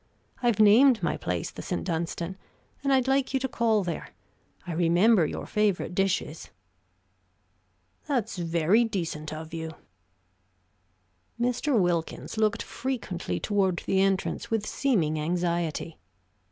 I've named my place the St. Dunstan, and I'd like you to call there I remember your favorite dishes." "That's very decent of you." Mr. Wilkins looked frequently toward the entrance, with seeming anxiety.